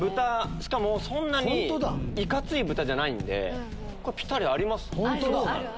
しかもそんなにイカツイ豚じゃないんでピタリありますよ。